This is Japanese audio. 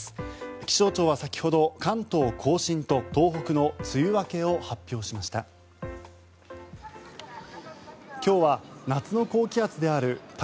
気象庁は先ほど関東・甲信と東北の梅雨明けを発表しました。